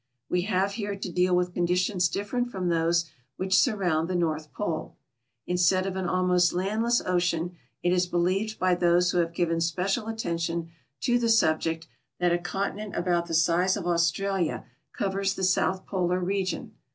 We have here to deal with conditions different from those which surround the North Pole. Instead of an almost landless ocean, it is believed by those who have given special attention to the subject that a continent about the size of Australia covers the South Polar re gion.